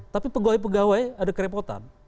tapi pegawai pegawai ada kerepotan